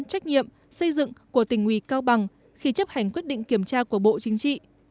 trách nhiệm xây dựng của tỉnh ủy cao bằng khi chấp hành quyết định kiểm tra của bộ chính trị